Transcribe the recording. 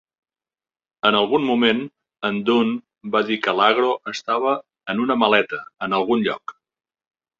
En algun moment, en Dunn va dir que l'Agro estava "en una maleta, en algun lloc".